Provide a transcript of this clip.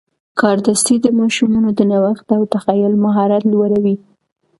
کاردستي د ماشومانو د نوښت او تخیل مهارت لوړوي.